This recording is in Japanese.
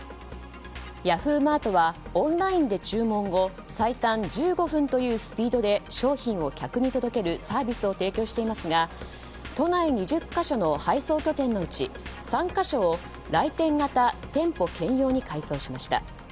Ｙａｈｏｏ！マートはオンラインで注文後最短１５分というスピードで商品を客に届けるサービスを提供していますが都内２０か所の配送拠点のうち３か所を来店型店舗兼用に改装しました。